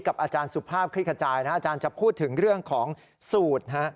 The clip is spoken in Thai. อาจารย์สุภาพคลิกขจายนะอาจารย์จะพูดถึงเรื่องของสูตร